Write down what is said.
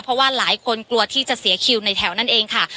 เพราะว่าหลายคนกลัวที่จะเสียคิวในแถวนั่นเองค่ะ